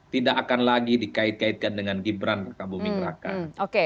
tidak akan lagi dikait kaitkan dengan gibran raka buming raka